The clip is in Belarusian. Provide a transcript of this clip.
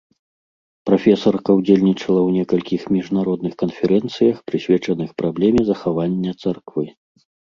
Прафесарка ўдзельнічала ў некалькіх міжнародных канферэнцыях, прысвечаных праблеме захавання царквы.